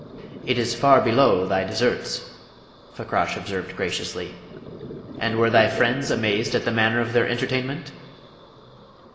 "It is far below thy deserts," Fakrash observed graciously. "And were thy friends amazed at the manner of their entertainment?"